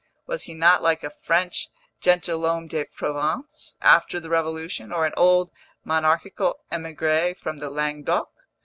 was he not like a French gentilhomme de province after the Revolution? or an old monarchical émigré from the Languedoc?)